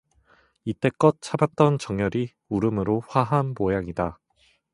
이때껏 참았던 정열이 울음으로 화한 모양이다.